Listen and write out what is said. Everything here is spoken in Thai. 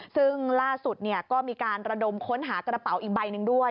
ซึ่งล่าสุดก็มีการระดมค้นหากระเป๋าอีกใบหนึ่งด้วย